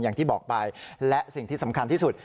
อย่างที่บอกไปและสิ่งที่สำคัญที่สุด